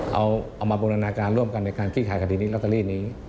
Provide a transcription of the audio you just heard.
เอามาบูรณาการร่วมกันในการคี่ขายคดีนี้